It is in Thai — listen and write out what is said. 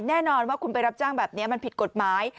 แน่นอนว่าคุณไปรับจ้างแบบนี้มันผิดกฎหมาย